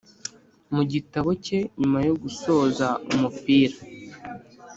mu gitabo cye nyuma yo gusoza umupira,